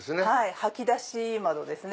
掃き出し窓ですね。